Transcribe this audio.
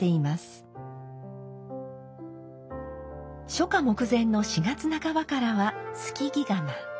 初夏目前の４月半ばからは透木釜。